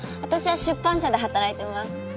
私は出版社で働いてます。